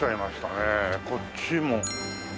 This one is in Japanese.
こっちも。